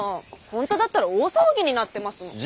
ほんとだったら大騒ぎになってますもん。